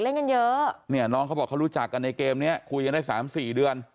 เล่นกันเยอะเนี่ยน้องเขาบอกเขารู้จักกันในเกมเนี้ยคุยกันได้สามสี่เดือน